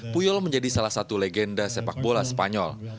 puyol menjadi salah satu legenda sepak bola spanyol